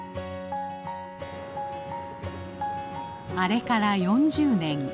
あれから４０年。